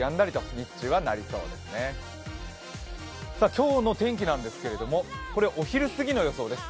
今日の天気なんですけどお昼過ぎの予想です。